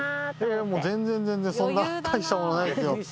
全然全然そんな大したものないですよ。